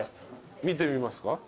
見てみますか？